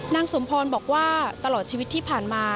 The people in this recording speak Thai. นางสมพรบอกว่าตลอดชีวิตที่ผ่านมา